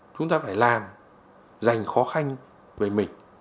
chúng ta phải làm dành khó khăn về mình